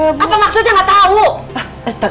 apa maksudnya gak tau